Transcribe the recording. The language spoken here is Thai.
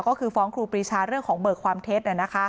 ก็คือฟ้องครูปรีชาเรื่องของเบิกความเท็จ